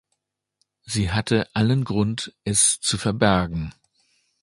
Sie hatte allen Grund, es zu verbergen.